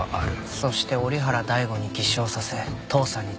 そして折原大吾に偽証させ父さんに罪を着せた。